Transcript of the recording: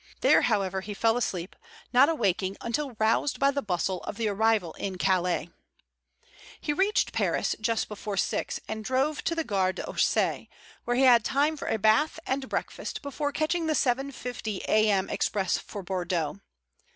There, however, he fell asleep, not awaking until roused by the bustle of the arrival in Calais. He reached Paris just before six and drove to the Gare d' Orsay, where he had time for a bath and breakfast before catching the 7.50 a.m. express for Bordeaux.